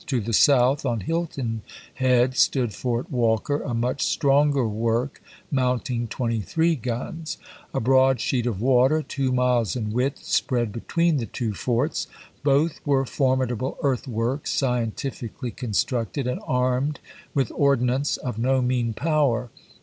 To the south, on Hilton Head, stood Fort Walker, a much stronger work, mounting twenty three guns. A broad sheet of water, two miles in width, spread between the two forts. Both were formidable earthworks, scientifically constructed, and armed with ordnance of no mean power.